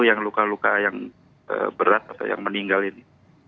yang luka luka yang berat atau yang meninggal ini